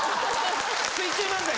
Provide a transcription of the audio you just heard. ・水中漫才！